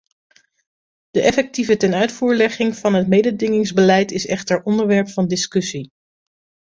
De effectieve tenuitvoerlegging van het mededingingsbeleid is echter onderwerp van discussie.